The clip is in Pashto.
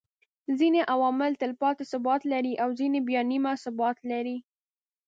ځيني عوامل تلپاتي ثبات لري او ځيني بيا نيمه ثبات لري